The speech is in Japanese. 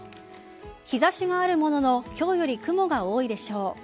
日差しがあるものの今日より雲が多いでしょう。